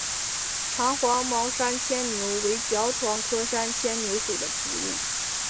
长黄毛山牵牛为爵床科山牵牛属的植物。